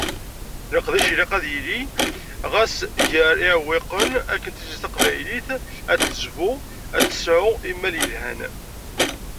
Leqdic ilaq ad yili, ɣas gar yiɛewwiqen. Akken tizlit taqbaylit ad tezbu, ad tesɛu imal yelhan.